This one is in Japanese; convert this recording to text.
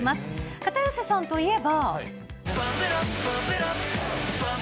片寄さんといえば。